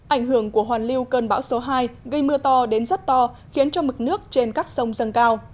ảnh hưởng của hoàn lưu cơn bão số hai gây mưa to đến rất to khiến cho mực nước trên các sông dâng cao